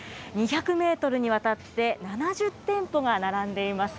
２００メートルにわたって、７０店舗が並んでいます。